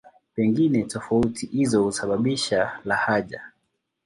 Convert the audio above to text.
Pengine tofauti hizo husababisha lahaja.